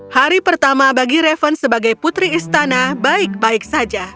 hari pertama bagi reven sebagai putri istana baik baik saja